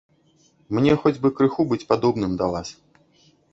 Мне хоць бы крыху быць падобным да вас.